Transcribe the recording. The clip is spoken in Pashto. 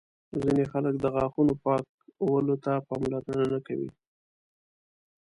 ځینې خلک د غاښونو پاکولو ته پاملرنه نه کوي.